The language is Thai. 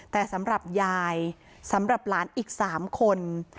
แต่สำหรับยายสำหรับหลานอีก๓คน